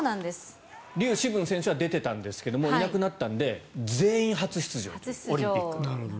リュウ・シブン選手は出ていたんですがいなくなったので全員初出場、オリンピック。